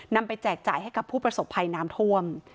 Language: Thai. ไปแจกจ่ายให้กับผู้ประสบภัยน้ำท่วม